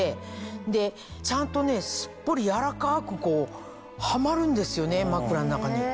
でちゃんとスッポリ柔らかくはまるんですよね枕の中に。